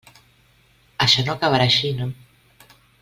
Això no acabarà així, no.